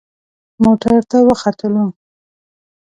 موټر ته وختلو.